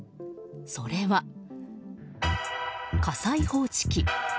それは、火災報知機。